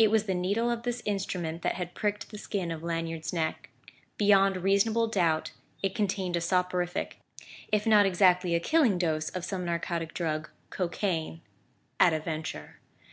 It was the needle of this instrument that had pricked the skin of Lanyard's neck; beyond reasonable doubt it contained a soporific, if not exactly a killing dose of some narcotic drug cocaine, at a venture.